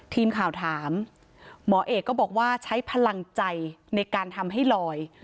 ทีมข่าวถามหมอเอกก็บอกว่าใช้พลังใจในการทำให้ลอย